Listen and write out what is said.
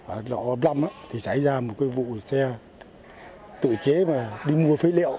ở lõ lâm thì xảy ra một cái vụ xe tự chế mà đi mua phế liệu